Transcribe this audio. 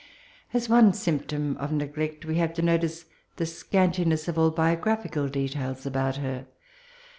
As one symptom of neglect we have to notice the scantiness of all biographical details about her.